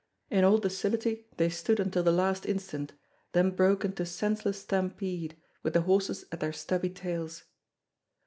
In all docility they stood until the last instant, then broke into senseless stampede, with the horses at their stubby tails.